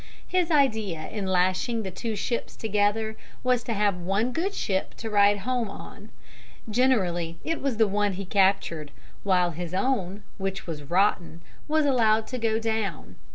His idea in lashing the two ships together was to have one good ship to ride home on. Generally it was the one he captured, while his own, which was rotten, was allowed to go down.